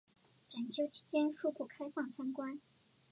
整修期间恕不开放参观